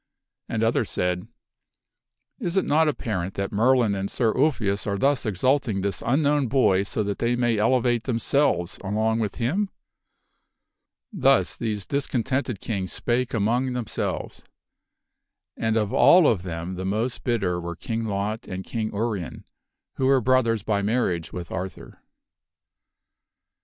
are angry. ^^ others said, " Is it not apparent that Merlin and Sir Ulfius are thus exalting this unknown boy so that they may elevate them selves along with him?" Thus these discontented kings spake among themselves, and of all of them the most bitter were King Lot and King Urien, who were brothers by marriage with Arthur.